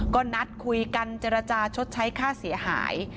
ก็นัดคุยกันเจรจาชดใช้ค่าเสียหาย